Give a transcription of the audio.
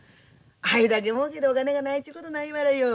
あいだけもうけてお金がないちゅうことないわらよ。